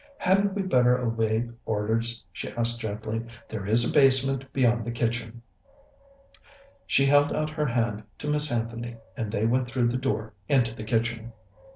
"Hadn't we better obey orders?" she asked gently. "There is a basement beyond the kitchen." She held out her hand to Miss Anthony, and they went through the door into the kitchen.